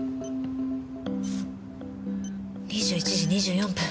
２１時２４分。